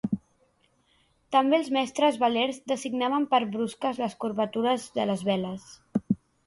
També els mestres velers designaven per brusques les curvatures de les veles.